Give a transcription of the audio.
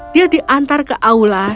dia diantar ke aula